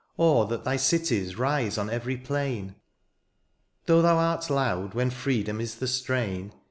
Or that thy cities rise on every plain : Though thou art loud when freedom is the strain.